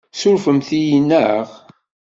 Tessurfemt-iyi, naɣ?